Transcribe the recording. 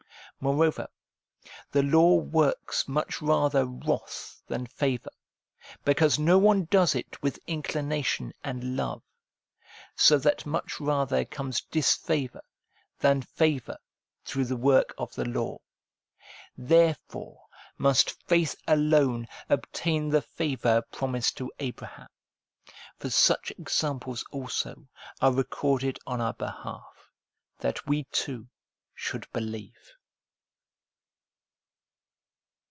Moreover, the law works much rather wrath than favour, because no one does it with inclination and love ; so that much rather comes disfavour than favour through the work of the law. There fore must faith alone obtain the favour promised to Abraham. For such examples also are recorded on our behalf, that we too should believe.